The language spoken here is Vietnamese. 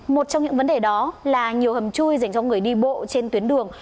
một trong những vấn đề đó là nhiều hầm chui dành cho người đi bộ trên tuyến đường